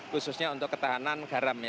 khususnya untuk ketahanan garam